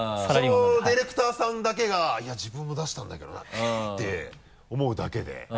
そのディレクターさんだけが「いや自分も出したんだけどな」て思うだけで。